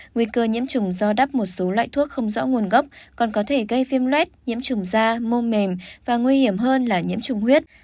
nguy cơ nhiễm trùng do đắp một số loại thuốc không rõ nguồn gốc còn có thể gây viêm luet nhiễm trùng da mô mềm và nguy hiểm hơn là nhiễm trùng huyết